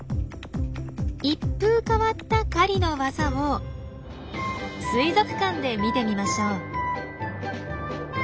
一風変わった狩りの技を水族館で見てみましょう。